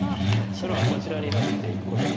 黒はこちらにノビていくことになります。